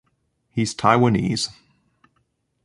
He’s Taiwanese.